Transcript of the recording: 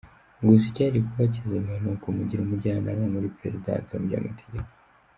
Gusa icyari kuba kizima ni ukumugira umujyanama muri Perezidansi mu by’amategeko.